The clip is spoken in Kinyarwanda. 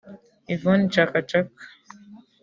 Yvone Chakachaka